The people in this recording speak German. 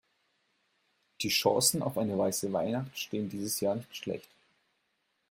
Die Chancen auf eine weiße Weihnacht stehen dieses Jahr nicht schlecht.